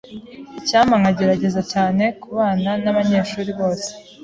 Icyampa nkagerageza cyane kubana nabanyeshuri bose.